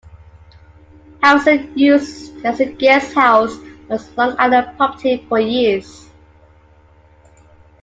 Harrison used it as a guest house on his Long Island property for years.